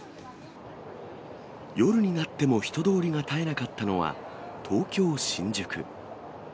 夜になっても人通りが絶えなかったのは東京・新宿。